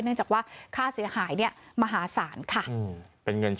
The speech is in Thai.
เนื่องจากว่าค่าเสียหายเนี่ยมหาศาลค่ะ